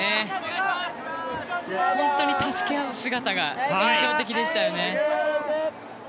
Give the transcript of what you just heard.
本当に助け合う姿が印象的でしたね。